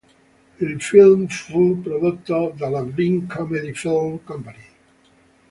Il film fu prodotto dalla Vim Comedy Film Company.